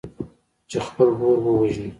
چې خپل ورور ووژني.